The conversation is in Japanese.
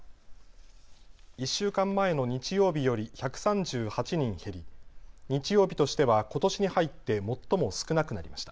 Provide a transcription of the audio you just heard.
１週間前の日曜日より１３８人減り、日曜日としてはことしに入って最も少なくなりました。